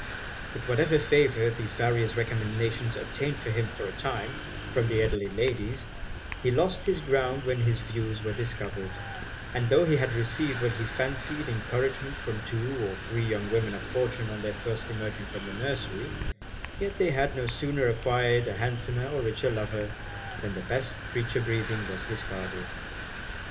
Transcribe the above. But whatever favour these various recommendations obtained for him for a time, from the elderly ladies, he lost his ground when his views were discovered; and tho' he had received what he fancied encouragement from two or three young women of fortune on their first emerging from the nursery, yet they had no sooner acquired an handsomer or richer lover, than 'the best creature breathing' was discarded.